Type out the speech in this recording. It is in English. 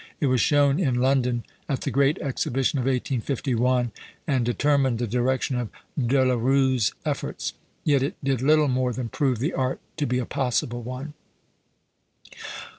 It was shown in London at the Great Exhibition of 1851, and determined the direction of De la Rue's efforts. Yet it did little more than prove the art to be a possible one.